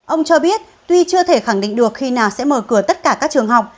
ông cho biết tuy chưa thể khẳng định được khi nào sẽ mở cửa tất cả các trường học